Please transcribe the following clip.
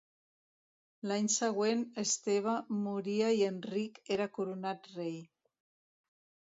L'any següent Esteve moria i Enric era coronat rei.